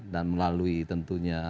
dan melalui tentunya